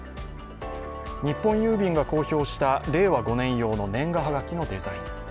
日本郵便が公表した令和５年用の年賀はがきのデザイン。